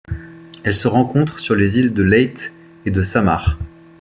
Elle se rencontre sur les îles de Leyte et de Samar.